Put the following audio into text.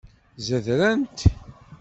Zedrent.